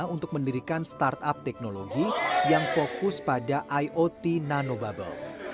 untuk mendirikan startup teknologi yang fokus pada iot nano bubble